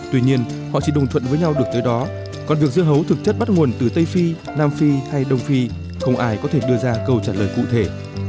tuy nhiên họ chỉ đồng thuận với nhau được tới đó còn việc dưa hấu thực chất bắt nguồn từ tây phi nam phi hay đông phi không ai có thể đưa ra câu trả lời cụ thể